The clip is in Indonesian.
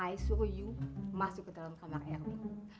i suruh you masuk ke dalam kamar erwin